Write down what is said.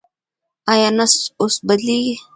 ایا نسج اوس بدلېږي؟